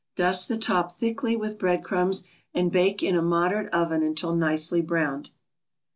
Dust the top thickly with bread crumbs and bake in a moderate oven until nicely browned.